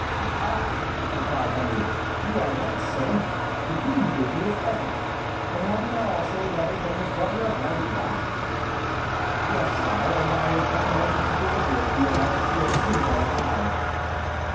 "Aha!" replied Henry; "you are right, sir. The queen gave me his letter; but have you not also a letter from the governor of Languedoc?" "Yes, sire, and I was recommended to deliver it to your majesty as soon as I arrived."